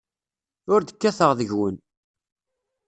Ur d-kkateɣ deg-wen.